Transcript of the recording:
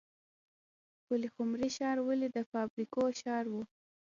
پلخمري ښار ولې د فابریکو ښار و؟